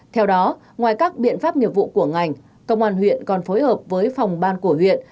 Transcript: theo đó ngoài các biện pháp nghiệp vụ của ngành công an huyện còn phối hợp với phòng ban của huyện